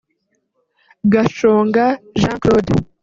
Gashonga Jean Claude